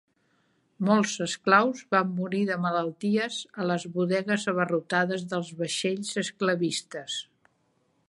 Molts esclaus van morir de malalties a les bodegues abarrotades dels vaixells esclavistes.